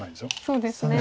そうですね。